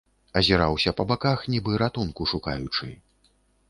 Азіраўся па баках, нібы ратунку шукаючы.